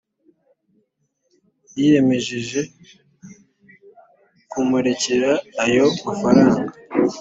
yiyemejeje kumurekera ayo mafaranga